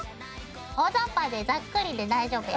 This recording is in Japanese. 大ざっぱでざっくりで大丈夫よ。